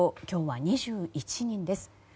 今日は２１人です。